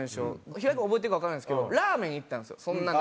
平井君覚えてるかわからないですけどラーメンに行ったんですよ。